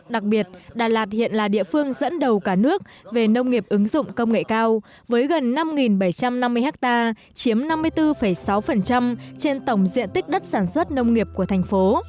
đặc biệt đà lạt hiện là địa phương dẫn đầu cả nước về nông nghiệp ứng dụng công nghệ cao với gần năm bảy trăm năm mươi ha chiếm năm mươi bốn sáu trên tổng diện tích đất sản xuất nông nghiệp của thành phố